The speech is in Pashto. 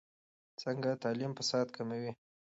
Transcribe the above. څنګه تعلیم فساد کموي؟